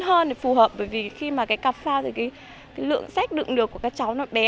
hơn thì phù hợp bởi vì khi mà cái cặp phao rồi cái lượng sách đựng được của các cháu nó bé